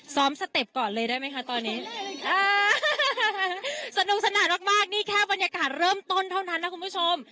สเต็ปก่อนเลยได้ไหมคะตอนนี้สนุกสนานมากนี่แค่บรรยากาศเริ่มต้นเท่านั้นนะคุณผู้ชม